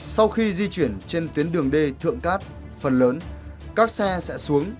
sau khi di chuyển trên tuyến đường d thượng cát phần lớn các xe sẽ xuống